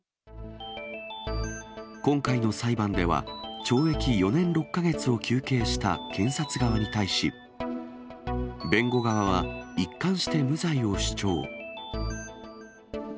今回の裁判では、懲役４年６か月を求刑した検察側に対し、弁護側は一貫して無罪を主張。